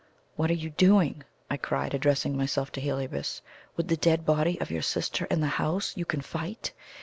"What are you doing?" I cried, addressing myself to Heliobas. "With the dead body of your sister in the house you can fight!